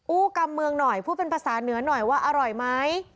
กรรมเมืองหน่อยพูดเป็นภาษาเหนือหน่อยว่าอร่อยไหม